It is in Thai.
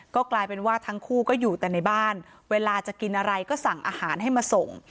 ก็กลายเป็นว่าทั้งคู่ก็อยู่แต่ในบ้านเวลาจะกินอะไรก็สั่งอาหารให้มาส่ง